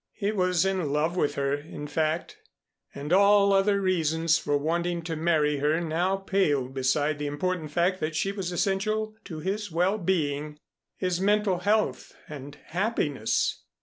He was in love with her, in fact, and all other reasons for wanting to marry her now paled beside the important fact that she was essential to his well being, his mental health and happiness.